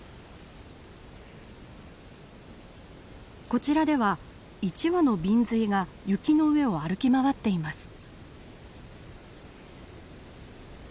こちらでは１羽のビンズイが雪の上を歩き回っています。